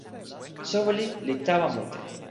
soweli li tawa mute.